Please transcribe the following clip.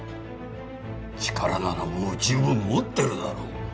力ならもう十分持ってるだろう。